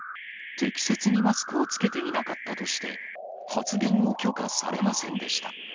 適切にマスクを着けていなかったとして、発言を許可されませんでした。